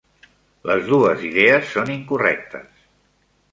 Les dues idees són incorrectes.